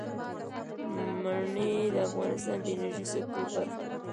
منی د افغانستان د انرژۍ سکتور برخه ده.